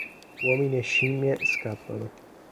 Uomini e scimmie scappano.